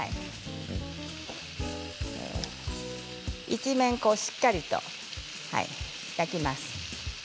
一面しっかり焼きます。